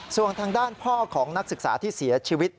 ส่วนทางด้านพ่อของนักศึกษาที่เสียชีวิต